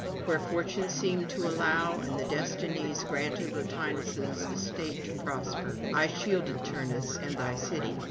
Where fortune seemed to allow and the Destinies granted Latinus' estate to prosper, I shielded Turnus and thy city.